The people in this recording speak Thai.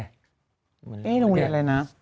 ไปที่โรงเรียนอะไรนะ